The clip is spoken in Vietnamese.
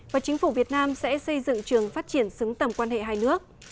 và chính phủ việt nam sẽ xây dựng trường phát triển xứng tầm quan hệ hai nước